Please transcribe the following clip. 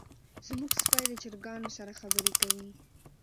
زمونږ سپی د چرګانو سره خبرې کوي.